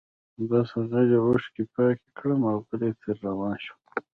بس غلي اوښکي پاکي کړم اوغلی ترې روان شم